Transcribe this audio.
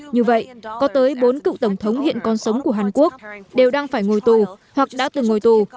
như vậy có tới bốn cựu tổng thống hiện còn sống của hàn quốc đều đang phải ngồi tù hoặc đã từng ngồi tù